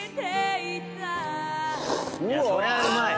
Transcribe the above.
そりゃあうまい。